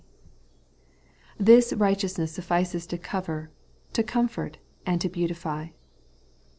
This righteousness suffices to cover, to comfort, and to beautify.